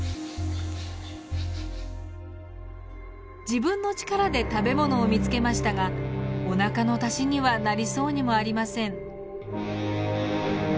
自分の力で食べ物を見つけましたがおなかの足しにはなりそうにもありません。